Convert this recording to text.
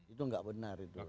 itu tidak benar itu